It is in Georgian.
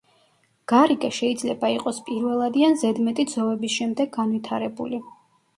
გარიგა შეიძლება იყოს პირველადი ან ზედმეტი ძოვების შემდეგ განვითარებული.